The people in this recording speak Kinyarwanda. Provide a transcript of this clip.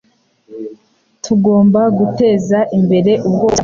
Tugomba guteza imbere ubwoko bushya bwingufu.